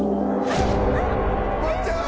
松ちゃん。